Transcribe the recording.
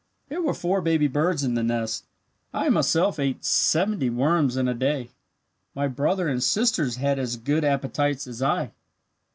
"There were four baby birds in the nest. I myself ate about seventy worms in a day. My brother and sisters had as good appetites as I."